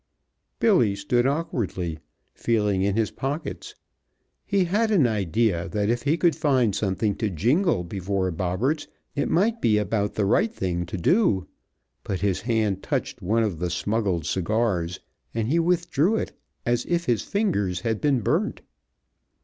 Billy stood awkwardly, feeling in his pockets. He had an idea that if he could find something to jingle before Bobberts it might be about the right thing to do, but his hand touched one of the smuggled cigars, and he withdrew it as if his fingers had been burnt.